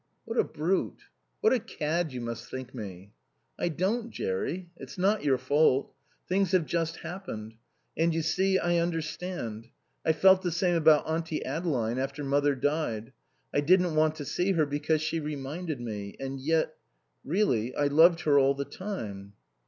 "What a brute what a cad you must think me." "I don't, Jerry. It's not your fault. Things have just happened. And you see, I understand. I felt the same about Auntie Adeline after Mother died. I didn't want to see her because she reminded me and yet, really, I loved her all the time."